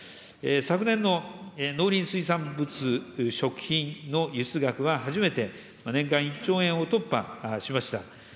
昨年の農林水産物・食品の輸出額は初めて、年間１兆円を突破しました。